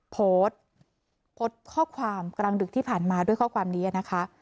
โพสต์โพสต์ข้อความกลางดึกที่ผ่านมาด้วยข้อความนี้นะคะ